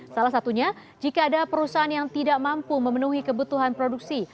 salah satunya jika ada perusahaan yang tidak mampu memenuhi kebutuhan produksi